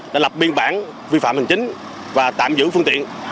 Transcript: đã lập biên bản vi phạm hình chính và tạm giữ phương tiện